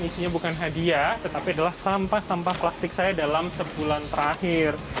isinya bukan hadiah tetapi adalah sampah sampah plastik saya dalam sebulan terakhir